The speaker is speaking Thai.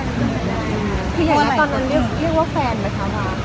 คืออย่างไรตอนนั้นเรียกว่าแฟนเหรอคะว่า